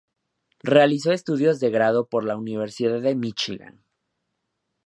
Realizó estudios de grado por la Universidad de Michigan.